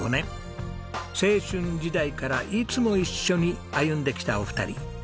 青春時代からいつも一緒に歩んできたお二人。